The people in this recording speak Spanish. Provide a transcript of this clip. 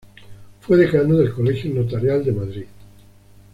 Fue Decano del Colegio Notarial de Madrid.